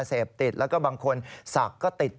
เสพติดแล้วก็บางคนศักดิ์ก็ติด